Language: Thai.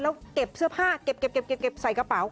แล้วเก็บเสื้อผ้าเก็บใส่กระเป๋า